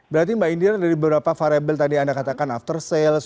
berarti mbak indira dari beberapa variable tadi anda katakan after sales